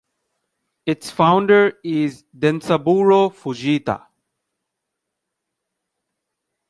Its founder is Densaburo Fujita.